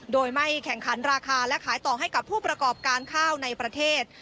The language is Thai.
โดยไม่แข่งขันราคาและขายต่อให้กับผู้ประกอบการข้าวในประเทศ